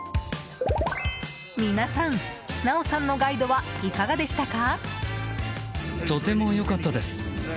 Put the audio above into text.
皆さん、ナオさんのガイドはいかがでしたか？